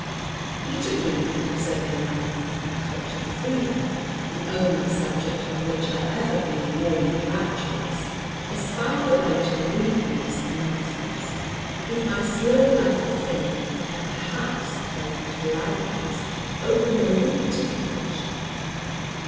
Peter Green observing my love of uncultured freedom, the only subject on which I ever grew warm and rapturous, espied the way to relieve me of some nonsense, give my slow life a fillip, and perhaps oh climax open a lucrative connexion.